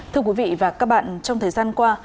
thưa quý vị và các bạn trong thời gian qua